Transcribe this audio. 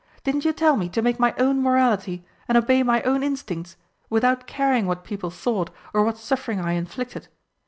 "Didn't you tell me to make my own morality and obey my own instincts, without caring what people thought or what suffering I inflicted?